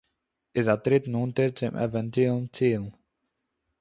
איז אַ טריט נאָענטער צום עווענטועלן ציל